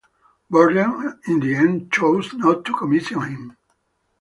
Burdon in the end chose not to commission him.